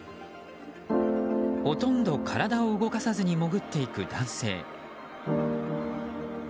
ほとんど体を動かさずに潜っていく男性。